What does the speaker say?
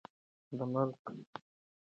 د ملک یوه برخه پښتانه لري.